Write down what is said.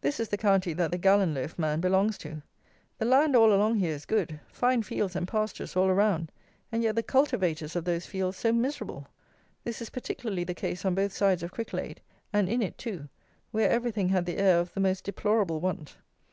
This is the county that the Gallon loaf man belongs to. The land all along here is good. Fine fields and pastures all around; and yet the cultivators of those fields so miserable! This is particularly the case on both sides of Cricklade, and in it too, where everything had the air of the most deplorable want.